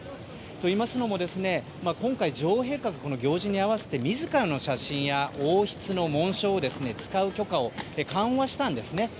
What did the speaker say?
といいますのも、今回女王陛下が行事に合わせて自らの写真や王室の紋章を使う許可を緩和したんですね。